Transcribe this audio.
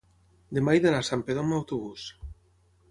demà he d'anar a Santpedor amb autobús.